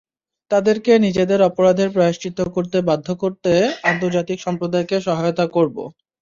তাদেরকে নিজেদের অপরাধের প্রায়শ্চিত্ত করতে বাধ্য করতে আন্তর্জাতিক সম্প্রদায়কে সহায়তা করব।